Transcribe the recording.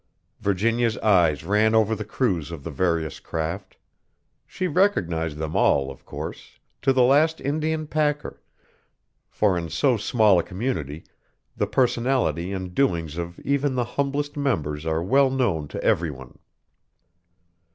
Virginia's eyes ran over the crews of the various craft. She recognized them all, of course, to the last Indian packer, for in so small a community the personality and doings of even the humblest members are well known to everyone.